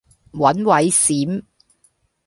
揾位閃